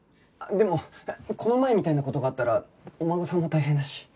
でもこの前みたいな事があったらお孫さんも大変だし。